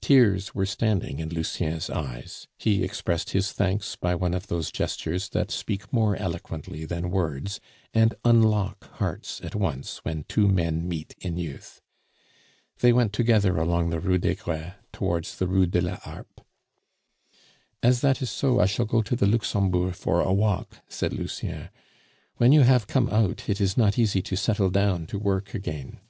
Tears were standing in Lucien's eyes; he expressed his thanks by one of those gestures that speak more eloquently than words, and unlock hearts at once when two men meet in youth. They went together along the Rue des Gres towards the Rue de la Harpe. "As that is so, I shall go to the Luxembourg for a walk," said Lucien. "When you have come out, it is not easy to settle down to work again."